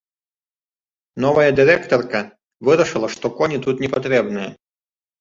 Новая дырэктарка вырашыла, што коні тут непатрэбныя.